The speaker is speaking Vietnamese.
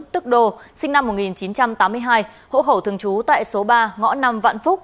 tức đô sinh năm một nghìn chín trăm tám mươi hai hộ khẩu thường trú tại số ba ngõ năm vạn phúc